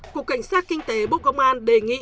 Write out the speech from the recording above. cục cảnh sát kinh tế bộ công an đề nghị